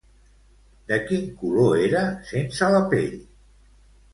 De quin color era sense la pell?